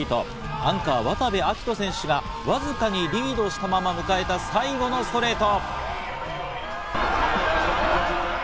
アンカー渡部暁斗選手がわずかにリードしたまま迎えた最後のストレート。